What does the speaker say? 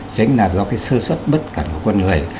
chính là do cái sơ xuất bất cẩn của quân người